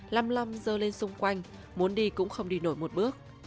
làm lăm dơ lên xung quanh muốn đi cũng không đi nổi một bước